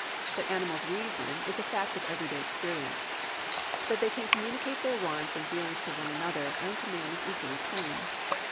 That animals reason is a fact of everyday experience. That they can communicate their wants and feelings to one another and to man is equally plain.